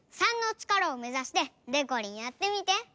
３の力をめざしてでこりんやってみて。